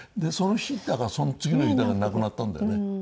その日だかその次の日だかに亡くなったんだよね。